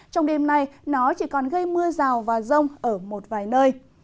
trong đêm nay nó chỉ còn gây mưa rào và rông ở một vài nơi